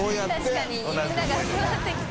確かにみんなが集まってきて。